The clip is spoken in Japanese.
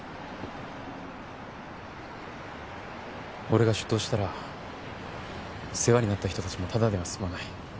俺が出頭したら世話になった人たちもただでは済まない。